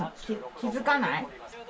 気付かない？